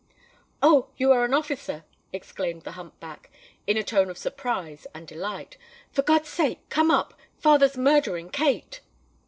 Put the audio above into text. "Oh! you are an officer!" exclaimed the hump back, in a tone of surprise and delight: "for God's sake come up—father's murdering Kate!"